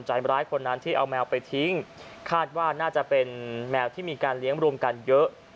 ใจร้ายคนนั้นที่เอาแมวไปทิ้งคาดว่าน่าจะเป็นแมวที่มีการเลี้ยงรวมกันเยอะ